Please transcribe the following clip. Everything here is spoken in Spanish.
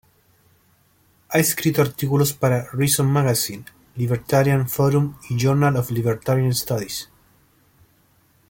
Ha escrito artículos para Reason Magazine, Libertarian Forum y Journal of Libertarian Studies.